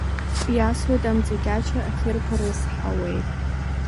Иасуеит аимҵакьача, ахьырԥар рызҳауеит!